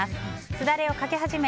すだれをかけ始め